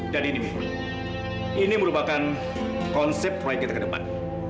dan ini ini merupakan konsep proyek kita ke depan